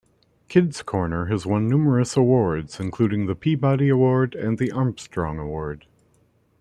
"Kids Corner" has won numerous awards, including the Peabody Award and the Armstrong Award.